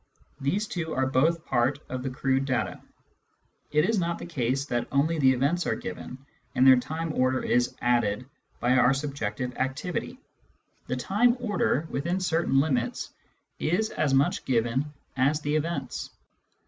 These two are both part of the crude data ; it is not the case that only the events are given, and their time order is added by our subjective activity. The time order, within certain limits, is as much given as the events.